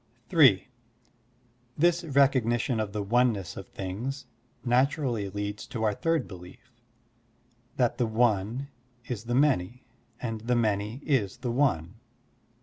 (3) This recognition of the oneness of things naturally leads to our third belief, that the one is the many and the many is the one.